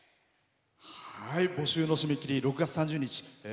募集の締め切り６月３０日。